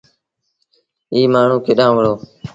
ايٚ مآڻهوٚݩ ڪيڏآن وُهڙو۔